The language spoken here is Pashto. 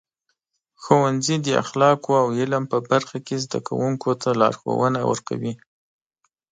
ښوونځي د اخلاقو او علم په برخه کې زده کوونکو ته لارښونه ورکوي.